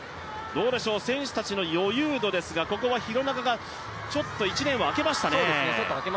選手たちの余裕度ですがここは廣中が１レーンを開けましたね。